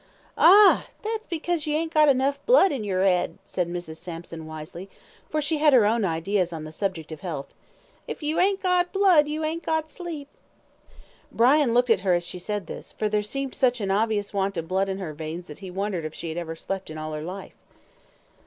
"Ah! that's because ye ain't got enough blood in yer 'ead," said Mrs. Sampson, wisely, for she had her own ideas on the subject of health. "If you ain't got blood you ain't got sleep." Brian looked at her as she said this, for there seemed such an obvious want of blood in her veins that he wondered if she had ever slept in all her life.